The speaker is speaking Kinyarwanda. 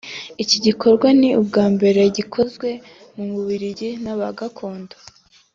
Iki gikorwa ni ubwa mbere gikozwe mu Bubiligi n’Abagakondo